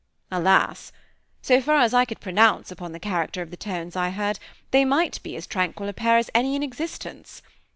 Alas! so far as I could pronounce upon the character of the tones I heard, they might be as tranquil a pair as any in existence.